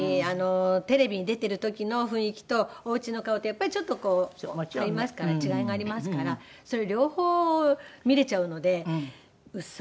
テレビに出てる時の雰囲気とおうちの顔とやっぱりちょっとこう違いがありますからそれ両方見れちゃうので嘘？